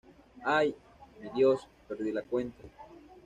Ay, mi Dios, Perdí la cuenta.